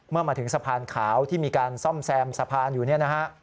เมื่อมาถึงสะพานขาวที่มีการซ่อมแซมสะพานอยู่เนี่ยนะฮะ